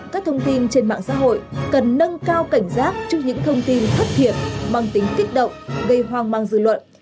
các thông tin trên mạng xã hội cần nâng cao cảnh giác trước những thông tin thất thiệt mang tính kích động gây hoang mang dư luận